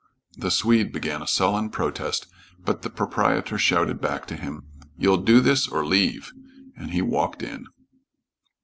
The Swede began a sullen protest, but the proprietor shouted back to him, "You'll do this or leave," and walked in.